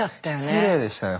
失礼でしたよ